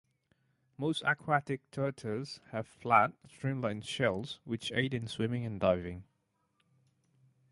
Most aquatic turtles have flat, streamlined shells, which aid in swimming and diving.